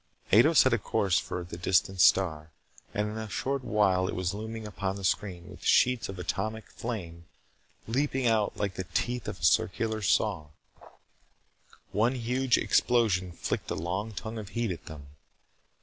Ato set a course for the distant star, and in a short while it was looming upon the screen with sheets of atomic flame leaping out like the teeth of a circular saw. One huge explosion flicked a long tongue of heat at them.